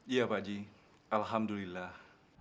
iya pak ji alhamdulillah